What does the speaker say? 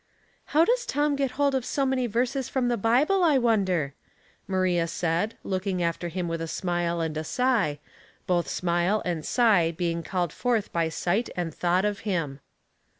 " How does Tom get hold of so many verses from the Bible, I wonder ?" Maria said, looking after him with a smile and a sigh, both smile and sigh being called forth by sight and thought of him.